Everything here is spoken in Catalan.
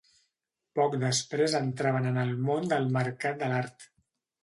Poc després entraven en el món del mercat de l'art.